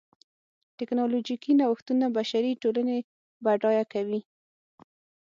ټکنالوژیکي نوښتونه بشري ټولنې بډایه کوي.